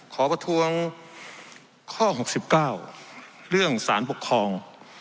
ขอประท้วงข้อ๖๙เรื่องสารปกครอง